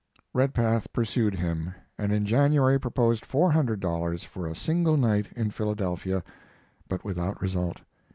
Redpath pursued him, and in January proposed $400 for a single night in Philadelphia, but without result.